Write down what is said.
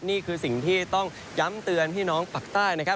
นี่คือสิ่งที่ต้องย้ำเตือนพี่น้องปากใต้นะครับ